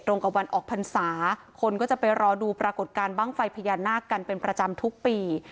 กับวันออกพรรษาคนก็จะไปรอดูปรากฏการณ์บ้างไฟพญานาคกันเป็นประจำทุกปี